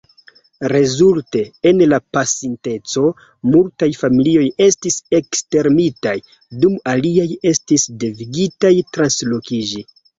Rezulte, en la pasinteco, multaj familioj estis ekstermitaj, dum aliaj estis devigitaj translokiĝi.